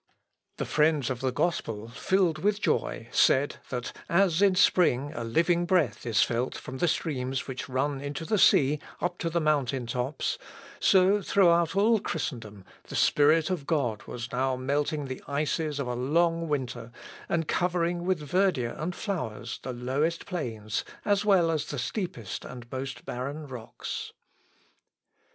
The friends of the gospel filled with joy, said, that as in spring a living breath is felt from the streams which run into the sea up to the mountain tops, so, throughout all Christendom, the Spirit of God was now melting the ices of a long winter, and covering with verdure and flowers the lowest plains as well as the steepest and most barren rocks.